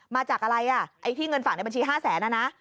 มาจากอะไรที่เงินฝั่งในบัญชี๕๐๐๐๐๐น่ะนะ